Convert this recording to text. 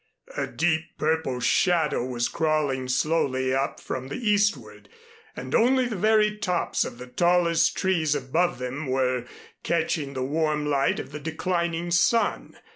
A deep purple shadow was crawling slowly up from the eastward and only the very tops of the tallest trees above them were catching the warm light of the declining sun.